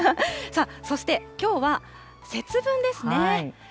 さあ、そしてきょうは節分ですね。